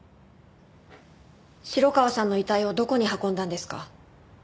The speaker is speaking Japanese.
城川さんの遺体をどこに運んだんですか？